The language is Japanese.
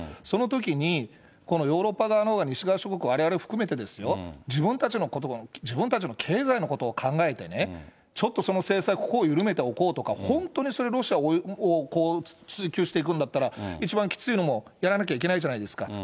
そのときに、このヨーロッパ側のほう、西側諸国、われわれ含めてですよ、自分たちのこと、自分たちの経済のことを考えてね、ちょっとその制裁、ここを緩めておこうとか、本当にそれ、ロシアを追及していくんだったら、一番きついのもやらなきゃいけないじゃないですか。